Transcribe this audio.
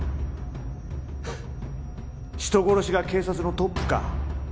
ハッ人殺しが警察のトップか。